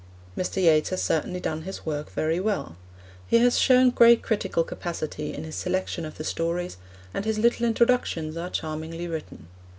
Mr. Yeats has certainly done his work very well. He has shown great critical capacity in his selection of the stories, and his little introductions are charmingly written.